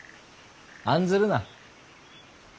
案ずるな。